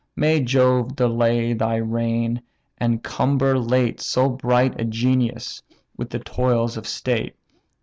May Jove delay thy reign, and cumber late So bright a genius with the toils of state!"